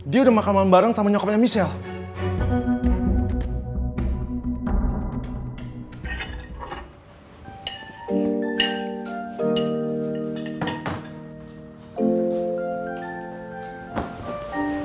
dia udah makan malem bareng sama nyokapnya michelle